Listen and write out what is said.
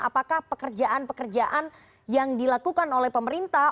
apakah pekerjaan pekerjaan yang dilakukan oleh pemerintah